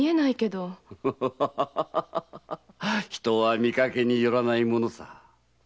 人は見かけによらないものさ。